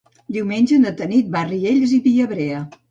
Diumenge na Tanit va a Riells i Viabrea.